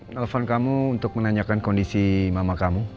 nelfon kamu untuk menanyakan kondisi mama kamu